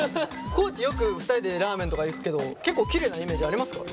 地よく２人でラーメンとか行くけど結構キレイなイメージありますからね。